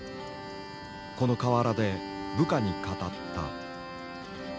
この河原で部下に語った。